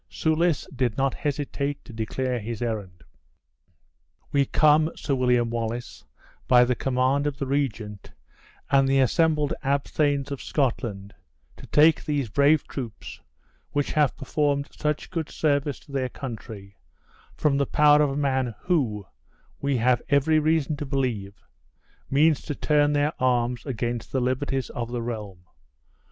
Soulis did not hesitate to declare his errand. "We come, Sir William Wallace, by the command of the regent, and the assembled abthanes of Scotland, to take these brave troops, which have performed such good service to their country, from the power of a man who, we have every reason to believe, means to turn their arms against the liberties of the realm.